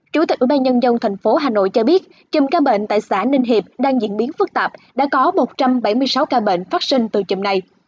chủ tịch ủy ban nhân dân thành phố hà nội cho biết chùm ca bệnh tại xã ninh hiệp đang diễn biến phức tạp đã có một trăm bảy mươi sáu ca bệnh phát sinh từ chùm này